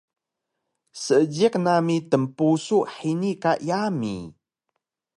seejiq nami tnpusu hini ka yami